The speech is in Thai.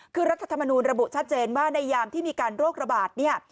คือรัฐธรรมนูลระบุชัดเจนว่าในยามที่มีการโรคระบาดเนี่ย